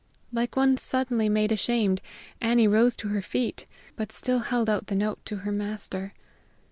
Like one suddenly made ashamed, Annie rose to her feet, but still held out the note to her master.